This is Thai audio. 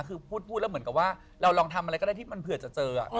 คือพูดแล้วเหมือนกับว่าเราลองทำอะไรก็ได้ที่มันเผื่อจะเจอ